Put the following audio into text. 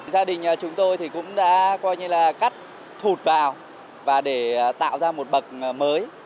gia đình chúng tôi thì cũng đã coi như là cắt thụt vào và để tạo ra một bậc mới